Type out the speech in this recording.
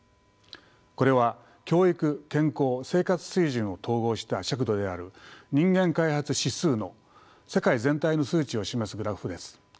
これは教育健康生活水準を統合した尺度である人間開発指数の世界全体の数値を示すグラフです。